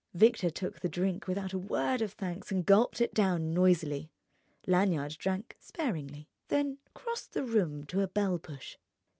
Victor took the drink without a word of thanks and gulped it down noisily. Lanyard drank sparingly, then crossed the room to a bell push.